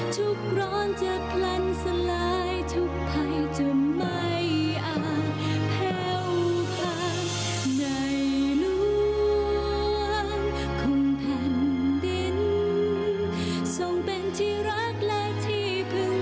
ทุกร้อนจะพลันสลายทุกภัยจะไม่อาเผลอภาค